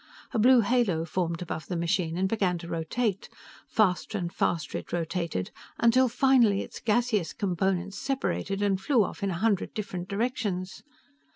A blue halo formed above the machine and began to rotate. Faster and faster it rotated, till finally its gaseous components separated and flew off in a hundred different directions.